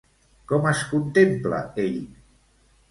Com es contempla ell?